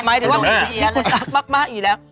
หมายถึงว่ามีกี่คนที่คุณรักมากอยู่แล้ว